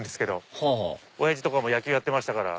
はぁ親父とかも野球やってましたから。